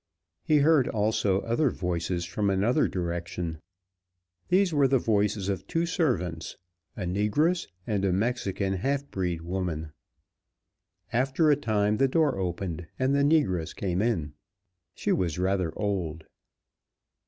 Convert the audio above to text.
He heard also other voices from another direction. These were the voices of two servants, a negress and a Mexican half breed woman. After a time the door opened and the negress came in. She was rather old.